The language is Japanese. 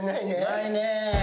ないね。